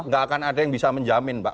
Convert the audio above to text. gak akan ada yang bisa menjamin mbak